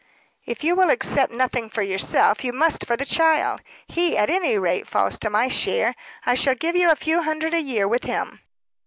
"If you will accept nothing for yourself, you must for the child. He, at any rate, falls to my share. I shall give you a few hundred a year with him."